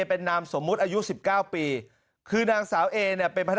เป็นนามสมมุติอายุสิบเก้าปีคือนางสาวเอเนี่ยเป็นพนัก